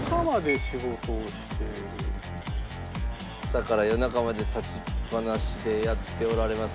朝から夜中まで立ちっ放しでやっておられます。